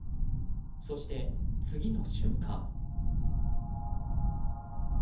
そして、次の瞬間。